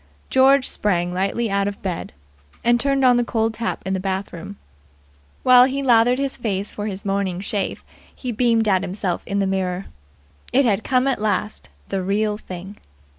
George sprang lightly out of bed, and turned on the cold tap in the bath room. While he lathered his face for its morning shave he beamed at himself in the mirror. It had come at last. The Real Thing.